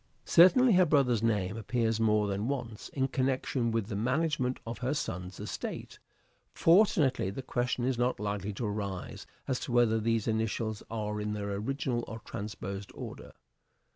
Certainly her brother's name appears more than once 442 "SHAKESPEARE" IDENTIFIED in connection with the management of her son's estate. Fortunately the question is not likely to arise as to whether these initials are in their original or transposed order.